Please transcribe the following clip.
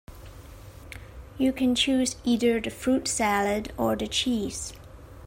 You can choose either the fruit salad or the cheese